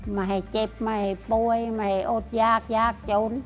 ไม่ให้เจ็บไม่ป่วยไม่อดยากยากจน